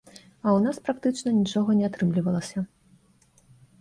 А ў нас практычна нічога не атрымлівалася.